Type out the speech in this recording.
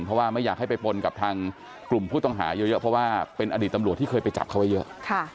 เพราะว่าไม่อยากให้ไปปนกับทางกลุ่มผู้ต้องหาเยอะเพราะว่าเป็นอดีตตำรวจที่เคยไปจับเขาไว้เยอะ